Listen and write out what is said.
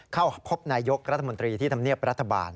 เข้าพบนายกรัฐมนตรีที่ทำเนียบรัฐบาล